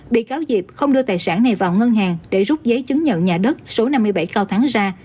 bị cáo diệp không đưa tài sản này vào ngân hàng để rút giấy chứng nhận nhà đất số năm mươi bảy cao thắng ra